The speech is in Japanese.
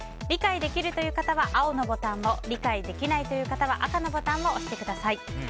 理解できるという方は青のボタンを理解できないという方は赤のボタンを押してください。